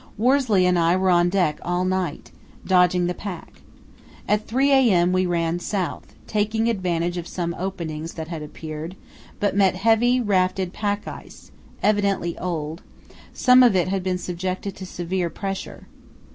Worsley and I were on deck all night, dodging the pack. At 3 a.m. we ran south, taking advantage of some openings that had appeared, but met heavy rafted pack ice, evidently old; some of it had been subjected to severe pressure.